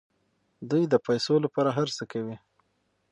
دوی د پیسو لپاره هر څه کوي.